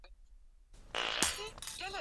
Mombasa kuna raha.